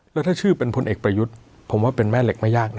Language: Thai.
แล้วถ้าชื่อเป็นพลเอกประยุทธ์ผมว่าเป็นแม่เหล็กไม่ยาก